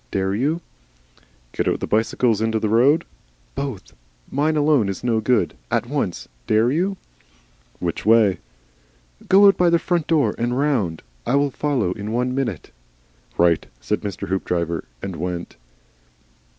Dare you? "Get your bicycle out in the road?" "Both. Mine alone is no good. At once. Dare you?" "Which way?" "Go out by the front door and round. I will follow in one minute." "Right!" said Mr. Hoopdriver, and went.